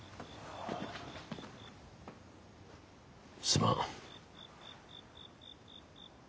すまん。